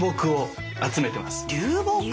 流木⁉